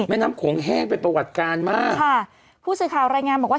น้ำโขงแห้งเป็นประวัติการมากค่ะผู้สื่อข่าวรายงานบอกว่า